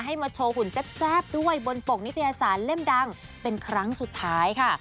มาโชว์หุ่นแซ่บด้วยบนปกนิตยสารเล่มดังเป็นครั้งสุดท้ายค่ะ